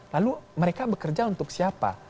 lalu mereka bekerja untuk siapa